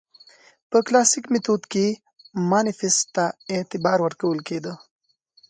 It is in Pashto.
په کلاسیک میتود کې مانیفیست ته اعتبار ورکول کېده.